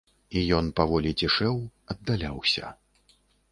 І ён паволі цішэў, аддаляўся.